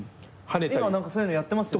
今何かそういうのやってますよね。